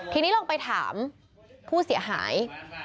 ทีนี้ลองไปถามผู้เสียหาย